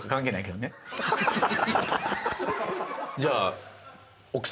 じゃあ。